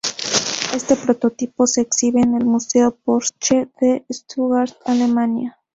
Este prototipo se exhibe en el Museo Porsche de Stuttgart, Alemania.